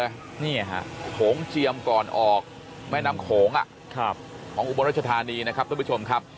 นี่ฮะโขงเจียมก่อนออกแม่น้ำโขงของอุบลรัชธานีนะครับท่านผู้ชมครับ